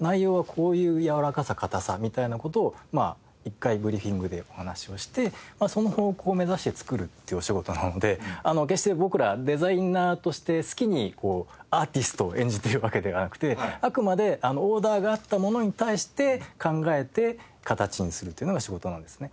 内容はこういうやわらかさ堅さみたいな事を一回ブリーフィングでお話をしてその方向を目指して作るっていうお仕事なので決して僕らデザイナーとして好きにアーティストを演じてるわけではなくてあくまでオーダーがあったものに対して考えて形にするっていうのが仕事なんですね。